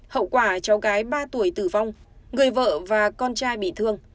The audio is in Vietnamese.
hậu quả cháu gái ba tuổi tử vong người vợ và con trai bị thương